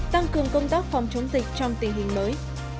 tăng cường công tác phòng chống dịch trong tình hình mới